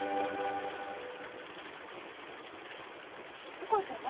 お母ちゃんは？